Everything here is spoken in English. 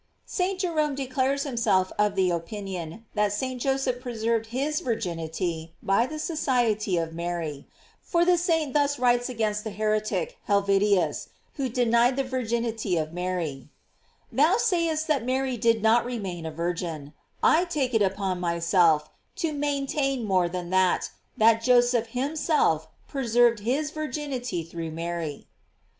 "] St. Jerome declares himself of the opinion that St. Joseph preserved his virginity by the society of Mary, for the saint thus writes against the heretic Helvidius, who denied the virginity of Mary: Thou sayest that Mary did not remain a virgin; I take it upon myself to maintain more than that, even that Joseph himself preserved his virginity through Mary.